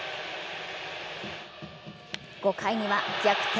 ５回には逆転